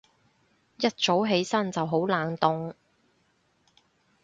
一早起身就好冷凍